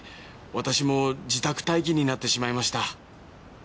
私も自宅待機になってしまいました」。